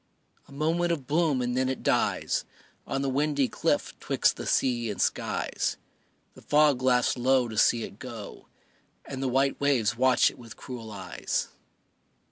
A moment of bloom, and then it dies On the windy cliff 'twixt the sea and skies. The fog laughs low to see it go, And the white waves watch it with cruel eyes.